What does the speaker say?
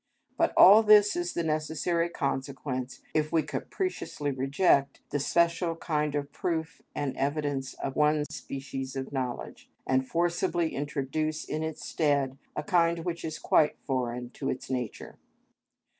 But all this is the necessary consequence if we capriciously reject the special kind of proof and evidence of one species of knowledge, and forcibly introduce in its stead a kind which is quite foreign to its nature.